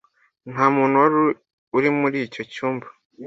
Nta muntu wari uri muri icyo cyumba.